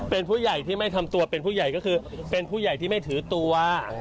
เป็นผู้ใหญ่ที่ไม่ทำตัวเป็นผู้ใหญ่ก็คือเป็นผู้ใหญ่ที่ไม่ถือตัว